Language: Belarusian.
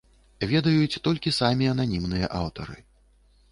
Ведаюць толькі самі ананімныя аўтары.